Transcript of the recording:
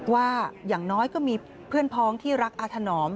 ว่าอย่างน้อยก็มีเพื่อนพ้องที่รักอาถนอม